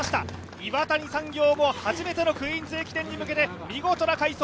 岩谷産業も初めての「クイーンズ駅伝」へ向けて見事な快走。